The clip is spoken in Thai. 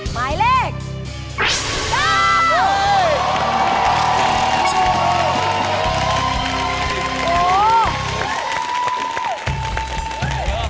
หมายเลข